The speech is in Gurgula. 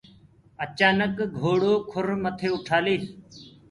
اچآنڪ گھوڙو کُر مٿي اُٺآ ليس۔